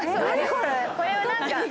これは何か。